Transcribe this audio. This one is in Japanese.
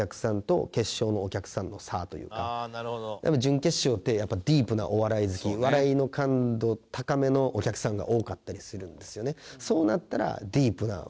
準決勝ってやっぱディープなお笑い好き笑いの感度高めのお客さんが多かったりするんですよね。